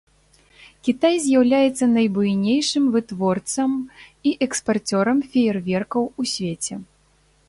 Кітай з'яўляецца найбуйнейшым вытворцам і экспарцёрам феерверкаў у свеце.